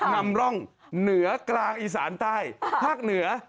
นำร่องเหนือกลางอีสานใต้ภาคเหนือ